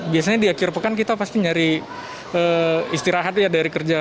biasanya di akhir pekan kita pasti nyari istirahat ya dari kerja